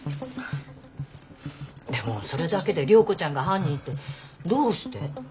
でもそれだけで涼子ちゃんが犯人ってどうして。